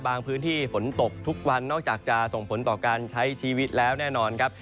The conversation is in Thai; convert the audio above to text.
พื้นที่ฝนตกทุกวันนอกจากจะส่งผลต่อการใช้ชีวิตแล้วแน่นอนครับ